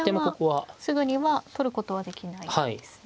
飛車はすぐには取ることはできないですね。